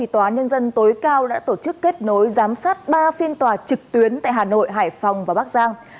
tòa nhân dân tối cao đã tổ chức kết nối giám sát ba phiên tòa trực tuyến tại hà nội hải phòng và bắc giang